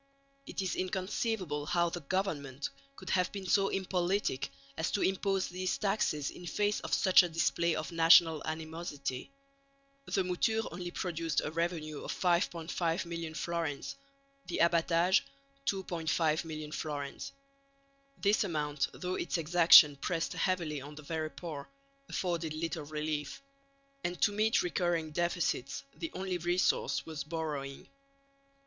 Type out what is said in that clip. It is inconceivable how the government could have been so impolitic as to impose these taxes in face of such a display of national animosity. The mouture only produced a revenue of 5,500,000 fl.; the abbatage 2,500,000 fl. This amount, though its exaction pressed heavily on the very poor, afforded little relief; and to meet recurring deficits the only resource was borrowing.